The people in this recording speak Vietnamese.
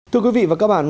thưa quý vị và các bạn